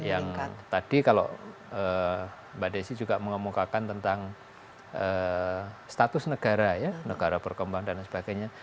yang tadi kalau mbak desi juga mengemukakan tentang status negara ya negara berkembang dan sebagainya